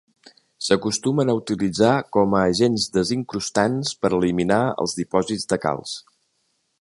S'acostumen a utilitzar com a agents desincrustants per eliminar els dipòsits de calç.